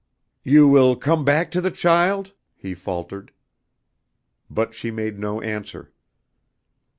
"You will come back to the child?" he faltered. But she made no answer.